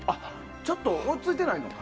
ちょっと追いついてないのか。